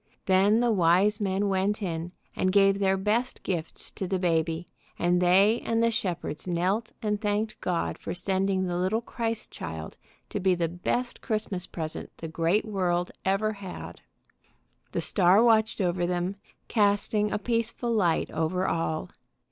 Then the wise men went in and gave their best gifts to the baby, and they and the shepherds knelt and thanked God for sending the little Christ Child to be the best Christmas present the great world ever had. The star watched over them, casting a peaceful light over all.